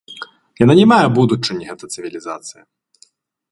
Яна не мае будучыні гэта цывілізацыя.